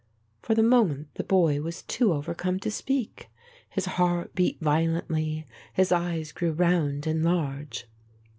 For the moment the boy was too overcome to speak. His heart beat violently, his eyes grew round and large.